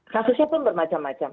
kasusnya pun bermacam macam